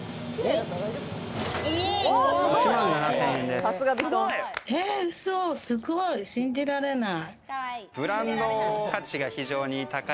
すごい！信じられない。